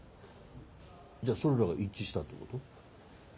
じゃあそれらが一致したってこと？